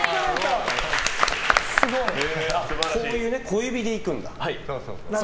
こういう、小指でいくんだ。